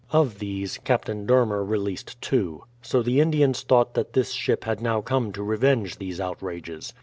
Of these, Captain Dermer released two. So the Indians thought that this ship had now come to revenge these outrages.